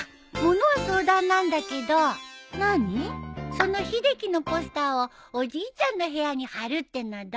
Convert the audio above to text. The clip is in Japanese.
その秀樹のポスターをおじいちゃんの部屋に貼るってのはどう？